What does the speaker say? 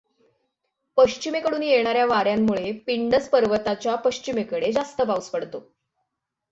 पश्चिमेकडून येणाऱ्या वाऱ्यांमुळे पिंडस पर्वताच्या पश्चिमेकडे जास्त पाउस पडतो.